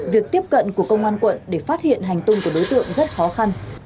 việc tiếp cận của công an quận để phát hiện hành tung của đối tượng rất khó khăn